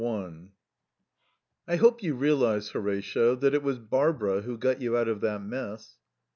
XIII 1 "I hope you realize, Horatio, that it was Barbara who got you out of that mess?"